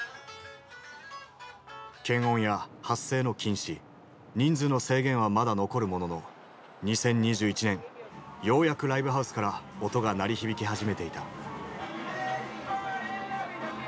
検温や発声の禁止人数の制限はまだ残るものの２０２１年ようやくライブハウスから音が鳴り響き始めていた。